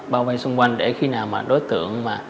bao vây xung quanh để khi nào mà đối tượng mà